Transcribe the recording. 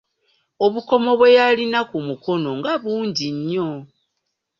Obukomo bwe yalina ku mukono, nga bungi nnyo!